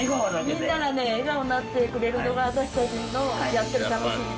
みんながね笑顔になってくれるのが私たちのやってる楽しみ。